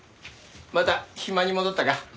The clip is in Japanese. また暇に戻ったか？